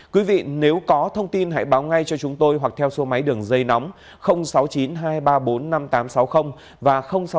quý vị nếu có thông tin hãy báo ngay cho chúng tôi hoặc theo số máy đường dây nóng sáu mươi chín hai trăm ba mươi bốn năm nghìn tám trăm sáu mươi và sáu mươi chín hai trăm ba mươi hai một nghìn sáu trăm bảy